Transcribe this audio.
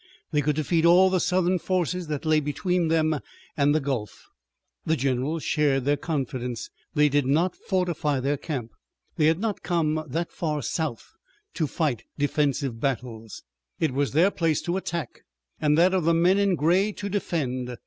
They could defeat all the Southern forces that lay between them and the Gulf. The generals shared their confidence. They did not fortify their camp. They had not come that far South to fight defensive battles. It was their place to attack and that of the men in gray to defend.